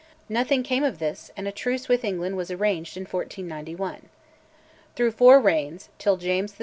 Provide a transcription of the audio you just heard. Nothing came of this, and a truce with England was arranged in 1491. Through four reigns, till James VI.